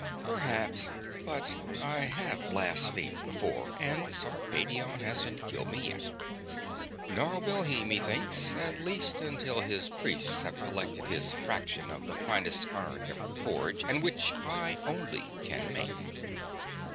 "Perhaps; but I have blasphemed before and Sarpedion hasn't killed me yet. Nor will he, methinks; at least until his priests have collected his fraction of the finest iron ever forged and which I only can make."